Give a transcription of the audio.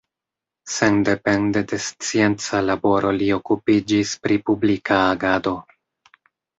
Sendepende de scienca laboro li okupiĝis pri publika agado.